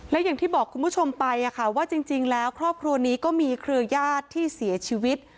และอย่างที่บอกคุณผู้ชมไปว่าจริงแล้วครอบครัวนี้ก็มีเครือญาติที่เสียชีวิต